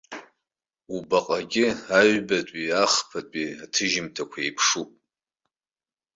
Убаҟагьы аҩбатәии ахԥатәии аҭыжьымҭақәа еиԥшуп.